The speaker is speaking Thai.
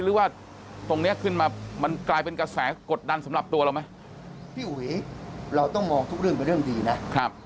หรือว่าตรงนี้ขึ้นมามันกลายเป็นกระแสกดดันสำหรับตัวเราไหมพี่อุ๋ยเราต้องมองทุกเรื่องเป็นเรื่องดีนะครับ